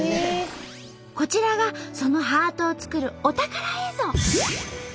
こちらがそのハートを作るお宝映像。